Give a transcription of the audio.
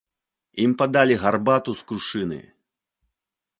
Ім падалі гарбату з крушыны.